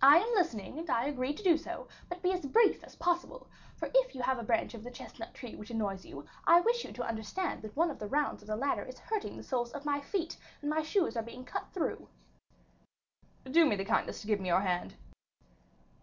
"I am listening, and I agree to do so; but be as brief as possible, for if you have a branch of the chestnut tree which annoys you, I wish you to understand that one of the rounds of the ladder is hurting the soles of my feet, and my shoes are being cut through." "Do me the kindness to give me your hand."